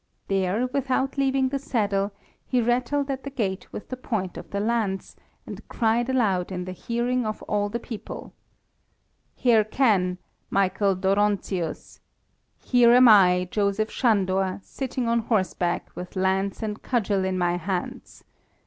There, without leaving the saddle, he rattled at the gate with the point of the lance, and cried aloud in the hearing of all the people "Hearken, Michael Dóronczius! Here am I, Joseph Sándor, sitting on horseback, with lance and cudgel in my hands.